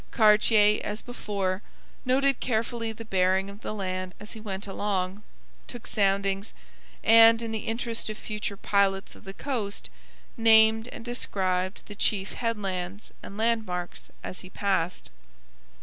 Cartier, as before, noted carefully the bearing of the land as he went along, took soundings, and, in the interest of future pilots of the coast, named and described the chief headlands and landmarks as he passed.